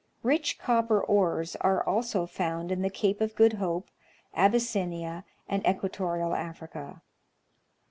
Rich copper ores are also found in the Cape of Good Hope, Abyssinia, and equatorial Africa.